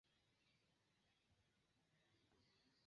Ĝi estas amplekse akceptita en modaj etosoj.